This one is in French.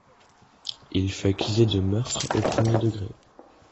Il fut accusé de meurtre au premier degré.